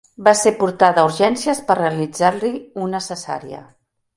Va ser portada a urgències per realitzar-li una cesària.